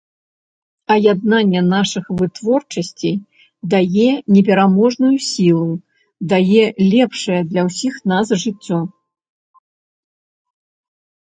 А яднанне нашых вытворчасцей дае непераможную сілу, дае лепшае для ўсіх нас жыццё.